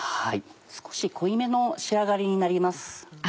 少し濃いめの仕上がりになります。